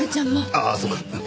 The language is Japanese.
ああそうか。